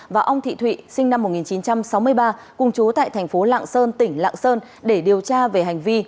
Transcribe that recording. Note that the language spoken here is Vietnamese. và ông thị thụy sinh năm một nghìn chín trăm sáu mươi ba cùng chú tại thành phố lạng sơn tỉnh lạng sơn để điều tra về hành vi